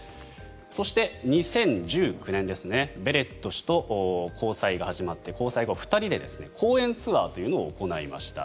そして、２０１９年ベレット氏と交際が始まって交際後２人で講演ツアーというのを行いました。